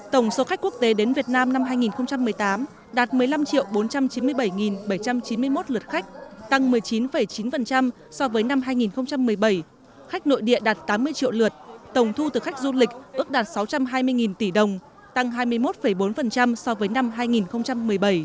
tổng số khách quốc tế đến việt nam năm hai nghìn một mươi tám đạt một mươi năm bốn trăm chín mươi bảy bảy trăm chín mươi một lượt khách tăng một mươi chín chín so với năm hai nghìn một mươi bảy khách nội địa đạt tám mươi triệu lượt tổng thu từ khách du lịch ước đạt sáu trăm hai mươi tỷ đồng tăng hai mươi một bốn so với năm hai nghìn một mươi bảy